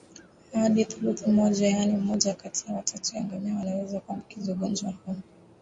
Hadi thuluthi moja yaani mmoja kati ya watatu ya ngamia wanaweza kuambukizwa ugonjwa huu